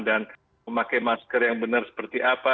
dan memakai masker yang benar seperti apa